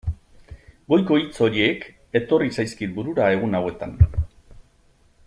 Goiko hitz horiek etorri zaizkit burura egun hauetan.